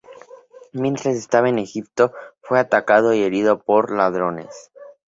Mientras estaba en Egipto, fue atacado y herido por ladrones.